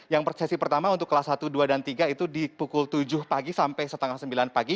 yang sesi pertama untuk kelas satu dua dan tiga itu di pukul tujuh pagi sampai setengah sembilan pagi